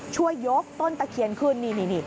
ช่วยยกต้นตะเคียนขึ้นนี่